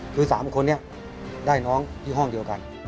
คือ๓คนนี้ได้น้องที่ห้องเดียวกัน